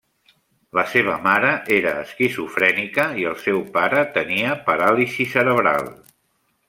La seva mare era esquizofrènica i el seu pare tenia paràlisi cerebral.